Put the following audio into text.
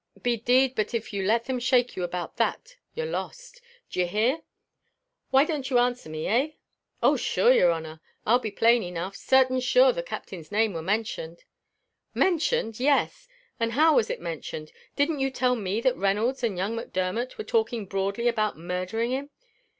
Be d d but if you let them shake you about that you're lost. D'ye hear? Why don't you answer me, eh?" "Oh! shure, your honour, I'll be plain enough; certain sure the Captain's name war mentioned." "Mentioned! yes, and how was it mentioned? Didn't you tell me that Reynolds and young Macdermot were talking broadly about murdhering him?